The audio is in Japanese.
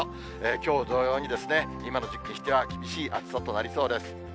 きょう同様に、今の時期にしては厳しい暑さとなりそうです。